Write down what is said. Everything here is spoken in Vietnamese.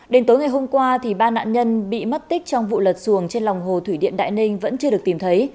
đến tối ngày hôm qua ba nạn nhân bị mất tích trong vụ lật xuồng trên lòng hồ thủy điện đại ninh vẫn chưa được tìm thấy